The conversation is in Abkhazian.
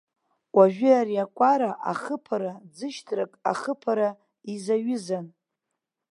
Уажәы ари акәара ахыԥара ӡышьҭрак ахыԥара изаҩызан.